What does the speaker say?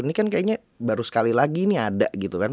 ini kan kayaknya baru sekali lagi ini ada